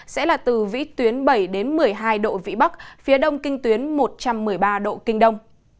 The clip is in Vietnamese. sẽ là từ vĩ tuyến bảy một mươi hai độ vĩ bắc phía đông kinh tuyến một trăm một mươi ba độ kinh đông